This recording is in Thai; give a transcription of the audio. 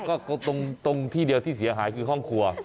ก็ตรงที่เดียวที่เสียหายคือห้องครัว